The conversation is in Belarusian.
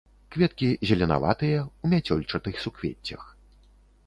Кветкі зеленаватыя, у мяцёлчатых суквеццях.